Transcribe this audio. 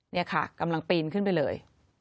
นี่ค่ะกำลังปีนขึ้นไปเลย